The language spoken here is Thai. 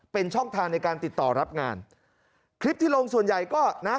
เป็นช่องทางในการติดต่อรับงานคลิปที่ลงส่วนใหญ่ก็นะ